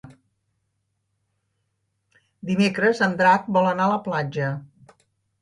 Dimecres en Drac vol anar a la platja.